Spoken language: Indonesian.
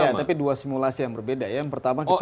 iya tapi dua simulasi yang berbeda ya yang pertama kita